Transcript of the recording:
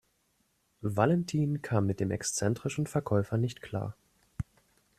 Valentin kam mit dem exzentrischen Verkäufer nicht klar.